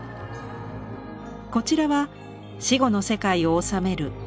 こちらは死後の世界を治めるオシリス神。